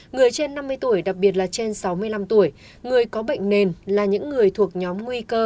người trên năm mươi tuổi đặc biệt là trên sáu mươi năm tuổi người có bệnh nền là những người thuộc nhóm nguy cơ